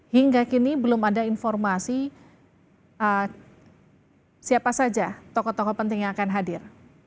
hingga kini belum ada informasi siapa saja tokoh tokoh penting yang akan hadir